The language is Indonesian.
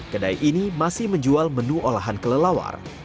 kedai ini masih menjual menu olahan kelelawar